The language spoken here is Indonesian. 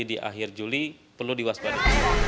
jadi akhir juli perlu diwaspada